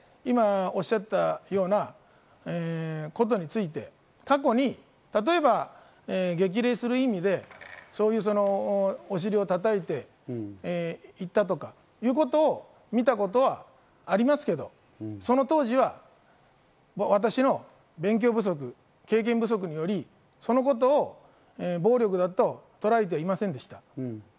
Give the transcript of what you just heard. その中で今、おっしゃったようなことについて、過去に例えば激励する意味でお尻を叩いて行ったとか、そういうことを見たことはありますが、その当時は私の勉強不足・経験不足により、そのことを暴力だと捉えてはいませんでした。